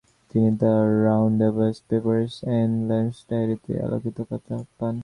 তিনি তার রাউন্ডঅ্যাবাউট পেপারস-এর "অন লেটস্স ডায়েরি"তে আলোকপাত করেন।